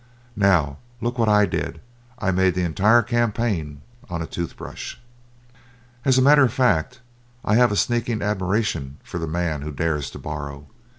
Now, look what I did. I made the entire campaign on a tooth brush." As a matter of fact, I have a sneaking admiration for the man who dares to borrow.